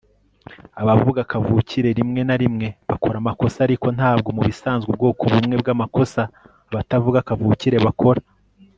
Abavuga kavukire rimwe na rimwe bakora amakosa ariko ntabwo mubisanzwe ubwoko bumwe bwamakosa abatavuga kavukire bakora